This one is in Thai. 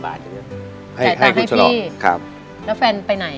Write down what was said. จ่ายตังให้พี่แล้วแฟนไปไหนครับคุณสนอกครับ